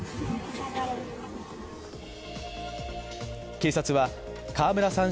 警察は、川村さん